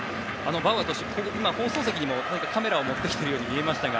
バウアー投手、放送席にもカメラを持ってきているように見えましたが。